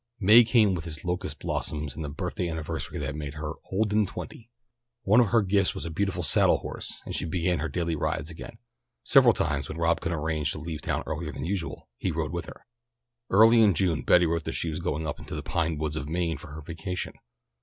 May came with its locust blossoms and the birthday anniversary that made her "old and twenty." One of her gifts was a beautiful saddle horse, and she began her daily rides again. Several times when Rob could arrange to leave town earlier than usual he rode with her. Early in June Betty wrote that she was going up into the pine woods of Maine for her vacation.